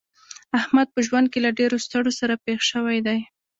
احمد په ژوند کې له ډېرو ستړو سره پېښ شوی دی.